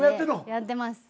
やってます。